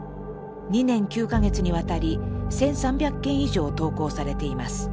２年９か月にわたり１，３００件以上投稿されています。